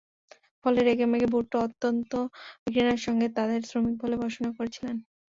ফলে রেগেমেগে ভুট্টো অত্যন্ত ঘৃণার সঙ্গে তাদের শ্রমিক বলে ভর্ৎসনা করেছিলেন।